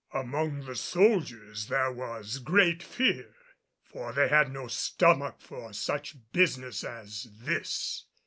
Among the soldiers there was great fear; for they had no stomach for such business as this.